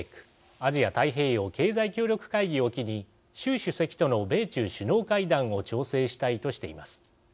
アジア太平洋経済協力会議を機に習主席との米中首脳会談を調整したいとしています。